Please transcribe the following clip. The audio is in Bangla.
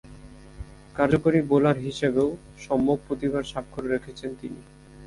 কার্যকরী বোলার হিসেবেও সম্যক প্রতিভার স্বাক্ষর রেখেছেন তিনি।